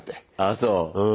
ああそう。